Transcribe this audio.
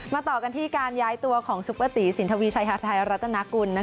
ต่อกันที่การย้ายตัวของซุปเปอร์ตีสินทวีชัยฮาไทยรัฐนากุล